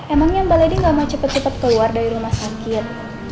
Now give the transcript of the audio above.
emangnya mbak lady gak mau cepat cepat keluar dari rumah sakit